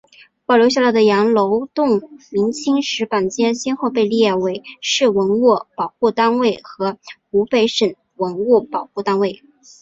保留下来的羊楼洞明清石板街先后被列为市文物保护单位和湖北省文物保护单位。